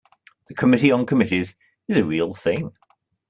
The Committee on Committees is a real thing.